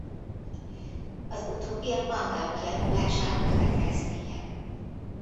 Az utóbbi a Pangea kialakulásának következménye.